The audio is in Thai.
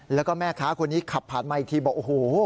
แล้วก็แม่ค้าคนนี้ขับผ่านมาอีกทีบอกโอ้โห